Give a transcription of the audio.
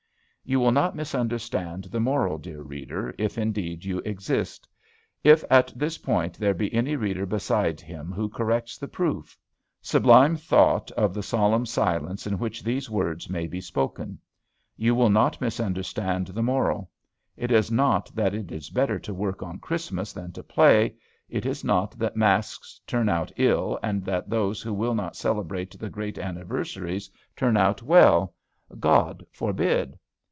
You will not misunderstand the moral, dear reader, if, indeed, you exist; if at this point there be any reader beside him who corrects the proof! Sublime thought of the solemn silence in which these words may be spoken! You will not misunderstand the moral. It is not that it is better to work on Christmas than to play. It is not that masques turn out ill, and that those who will not celebrate the great anniversaries turn out well. God forbid!